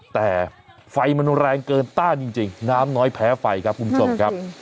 แต่ไฟมันแรงเกินต้านจริงน้ำน้อยแพ้ไฟครับคุณผู้ชมครับ